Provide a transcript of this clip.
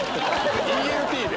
「ＥＬＴ」で？